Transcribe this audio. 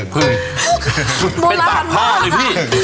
เป็นฝากพ่อเลยเปยย